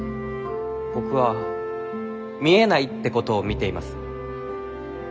僕は見えないってことを見ています。